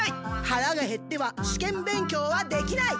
はらがへっては試験勉強はできない！